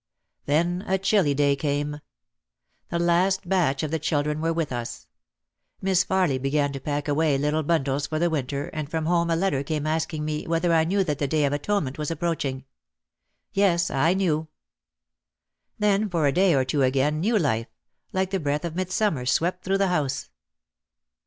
Then a chilly day came. The last batch of the children were with us. Miss Farly began to pack away little bundles for the winter and from home a letter came ask ing me whether I knew that the Day of Atonement was approaching. Yes, I knew. Then for a day or two again new life, like the breath of midsummer, swept through the house.